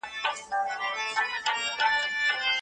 پالنه